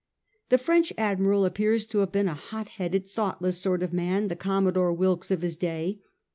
The French admiral appears to have been a hot headed, thoughtless sort of man, the Commodore Wilkes of his day.